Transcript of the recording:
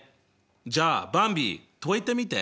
じゃあばんび解いてみて。